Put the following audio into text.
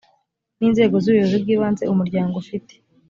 n inzego z ubuyobozi bw ibanze umuryango ufite